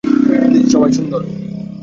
Please সবাই বসুন।